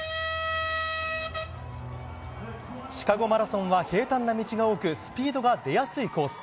シカゴマラソンは平たんな道が多くスピードが出やすいコース。